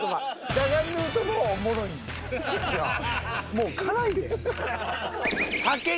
もう辛いで。